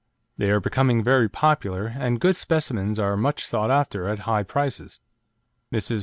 They are becoming very popular, and good specimens are much sought after at high prices. Mrs.